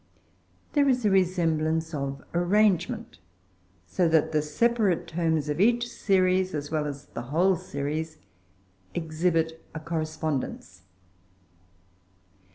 There is a resemblance of arrangement; so that the separate terms of each series, as well as the whole series, exhibit a correspondence.